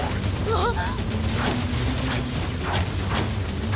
あっ！